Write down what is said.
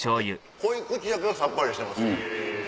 濃い口やけどさっぱりしてます。